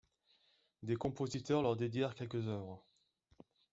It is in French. Des compositeurs leur dédièrent quelques œuvres.